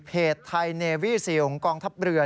เพจไทยเนวีสีองค์กองทัพเรือ